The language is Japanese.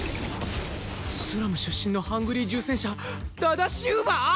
スラム出身のハングリー重戦車ダダ・シウバ！？